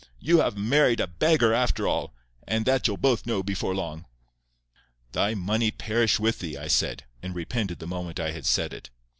You have married a beggar after all, and that you'll both know before long." "Thy money perish with thee!" I said, and repented the moment I had said it.